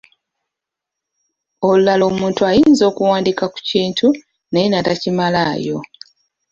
Olulala omuntu ayinza okuwandiika ku kintu naye n'atakimalaayo.